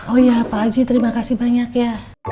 oh iya pak ji terima kasih banyak ya